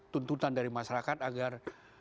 tuntutan dari masyarakat agar